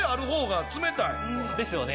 ですよね。